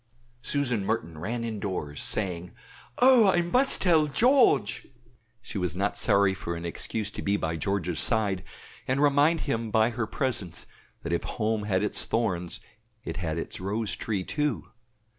Susan Merton ran indoors, saying, "Oh! I must tell George." She was not sorry of an excuse to be by George's side, and remind him by her presence that if home had its thorns it had its rose tree, too.